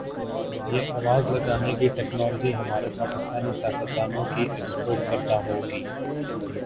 یہ آواز لگانے کی ٹیکنالوجی ہمارے پاکستانی سیاستدا نوں کی ایکسپورٹ کردہ ہوگی